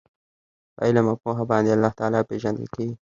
په علم او پوهه باندي الله تعالی پېژندل کیږي